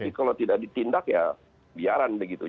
tapi kalau tidak ditindak ya biaran begitu